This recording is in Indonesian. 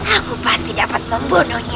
aku pasti dapat membunuhnya